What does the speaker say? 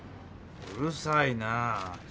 うるさいなぁ。